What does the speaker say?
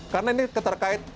karena ini terkait